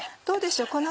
どうでしょう？